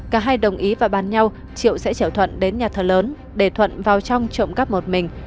cả hai đồng ý và bàn nhau triệu sẽ trở thuận đến nhà thờ lớn để thuận vào trong trộm cắp một mình